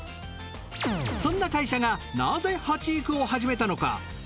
そんな会社がなぜはち育を始めたのか？